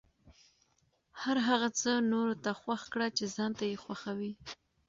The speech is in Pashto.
هر هغه څه نورو ته خوښ کړه چې ځان ته یې خوښوې.